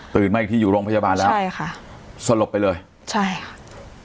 มาอีกทีอยู่โรงพยาบาลแล้วใช่ค่ะสลบไปเลยใช่ค่ะ